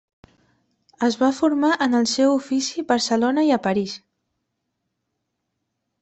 Es va formar en el seu ofici Barcelona i a París.